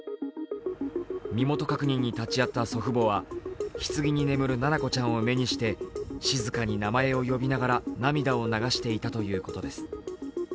身元確認に立ち会った祖父母はひつぎに眠る七菜子ちゃんを目にして静かに名前を呼びながら涙を流していたということです。